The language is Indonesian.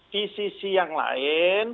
di sisi yang lain